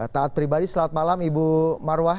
taat pribadi selamat malam ibu marwah